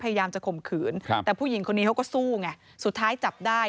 พยายามจะข่มขืนครับแต่ผู้หญิงคนนี้เขาก็สู้ไงสุดท้ายจับได้